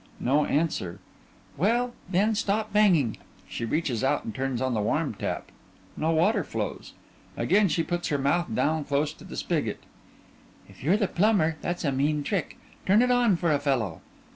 (No answer) Well, then, stop banging. (She reaches out and turns on the warm tap. No water flows. Again she puts her mouth down close to the spigot) If you're the plumber that's a mean trick. Turn it on for a fellow.